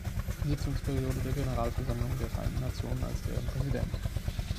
Sitzungsperiode der Generalversammlung der Vereinten Nationen als deren Präsident.